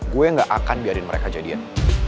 gue gak akan biarin mereka jadian